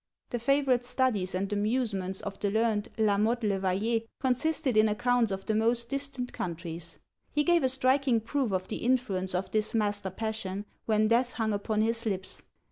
The favourite studies and amusements of the learned La Mothe le Vayer consisted in accounts of the most distant countries. He gave a striking proof of the influence of this master passion, when death hung upon his lips.